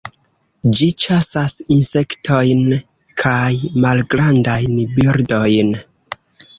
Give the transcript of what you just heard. Ĝi ĉasas insektojn kaj malgrandajn birdojn.